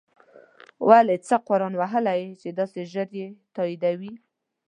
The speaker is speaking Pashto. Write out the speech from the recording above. ولی څه قرآن وهلی یی چی داسی ژر یی تاییدوی